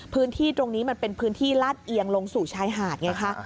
พื้นที่ตรงนี้มันเป็นพื้นที่ลาดเอียงลงสู่ชายหาดไงคะ